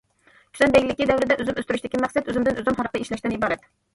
كۈسەن بەگلىكى دەۋرىدە ئۈزۈم ئۆستۈرۈشتىكى مەقسەت ئۈزۈمدىن ئۈزۈم ھارىقى ئىشلەشتىن ئىبارەت.